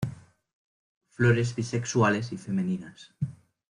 Flores bisexuales y femeninas.